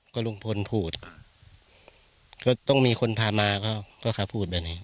ก็ลุงพลพูดก็ต้องมีคนพามาก็เขาพูดแบบนี้